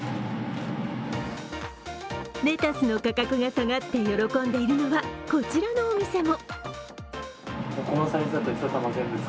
レタスの価格が下がって喜んでいるのは、こちらのお店も。